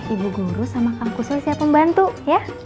ibu guru sama kang kusoy siap membantu ya